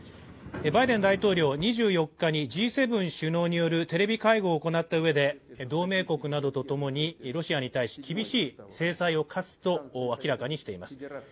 バイデン大統領、２４日にＧ７首脳によるテレビ会合を行ったうえで同盟国などとともにロシアに対し厳しい制裁を科すと明らかにしています。